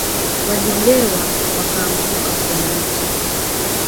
Walilewa wakaanguka kwenye mto